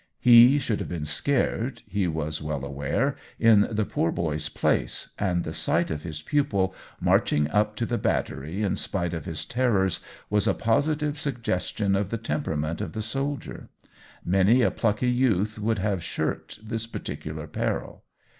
He should have been scared, he was well aware, in the poor boy's place, and the sight of his pupil marching up to the battery in spite of his terrors was a positive sug gestion of the temperament of the soldier. Many a plucky youth would have shirked this particular peril.